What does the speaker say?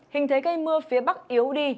hình thế cây mưa phía bắc yếu đi